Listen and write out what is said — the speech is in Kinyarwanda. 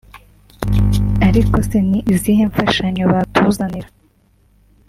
ariko se ni izihe mfashanyo batuzanira